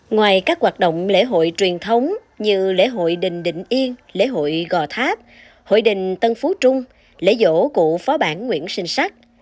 ngoài các hoạt động lễ hội truyền thống như lễ hội đình định yên lễ hội gò tháp hội đình tân phú trung lễ dỗ cụ phó bản nguyễn sinh sắc